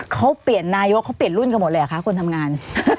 เขาเปลี่ยนนายกเขาเปลี่ยนรุ่นกันหมดเลยเหรอคะคนทำงาน